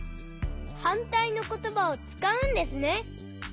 はんたいのことばをつかうんですね。